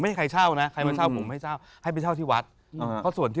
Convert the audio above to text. พี่ฮะผมเล่ากว่าองค์นี้ให้ฟังเล่นนะ